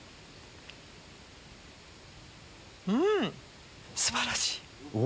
うん！素晴らしい！